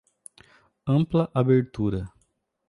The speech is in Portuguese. Ampla abertura